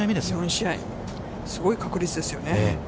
４試合、すごい確率ですよね。